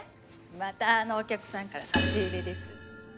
またあのお客さんから差し入れです。